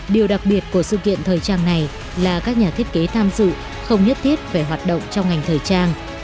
điều đặc biệt của sự kiện thời trang này là các nhà thiết kế tham dự không nhất thiết về hoạt động trong ngành thời trang